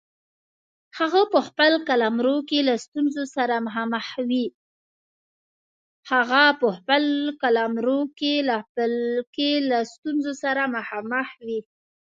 هغه په خپل قلمرو کې له ستونزو سره مخامخ وي.